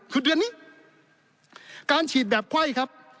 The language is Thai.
คือเดือนนี้การฉีดแบบไข้ครับ